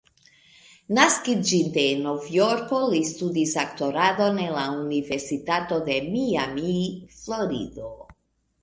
Naskiĝinte en Novjorko, li studis aktoradon en la Universitato de Miami, Florido.